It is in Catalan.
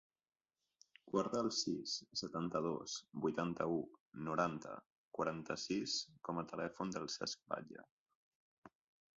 Guarda el sis, setanta-dos, vuitanta-u, noranta, quaranta-sis com a telèfon del Cesc Batlle.